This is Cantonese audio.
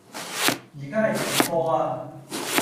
而家係停課呀